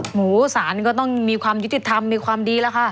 หมูสารก็ต้องมีความยุติธรรมมีความดีแล้วค่ะ